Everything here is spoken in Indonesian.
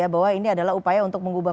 bahwa ini adalah upaya untuk mengubah